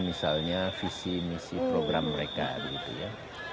misalnya visi misi program mereka